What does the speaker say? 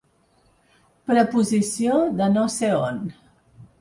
Preposició de no sé on.